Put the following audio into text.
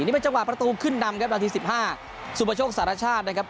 นี่เป็นจังหวะประตูขึ้นนำครับนาที๑๕สุปโชคสารชาตินะครับ